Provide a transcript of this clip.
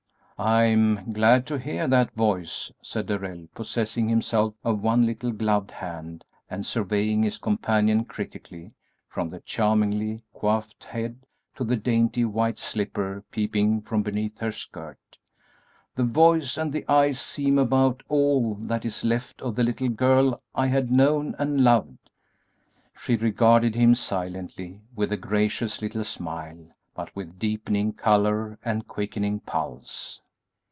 "I am glad to hear that voice," said Darrell, possessing himself of one little gloved hand and surveying his companion critically, from the charmingly coiffed head to the dainty white slipper peeping from beneath her skirt; "the voice and the eyes seem about all that is left of the little girl I had known and loved." She regarded him silently, with a gracious little smile, but with deepening color and quickening pulse.